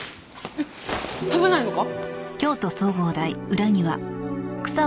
えっ食べないのか？